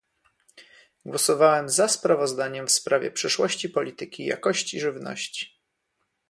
Głosowałem za sprawozdaniem w sprawie przyszłości polityki jakości żywności